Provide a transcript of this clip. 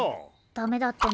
ダメだっての！